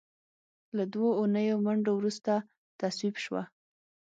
له دوو اونیو منډو وروسته تصویب شوه.